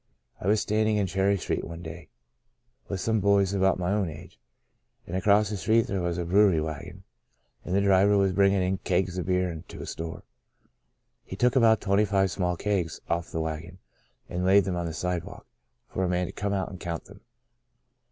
I was standing in Cherry Street one day, with some boys about my own age, and across the street there was a brewery wagon, and the driver was bringing in kegs of beer into a store. He took about twenty five small kegs off from the wagon, and laid them on the sidewalk, for a man to come out and count them.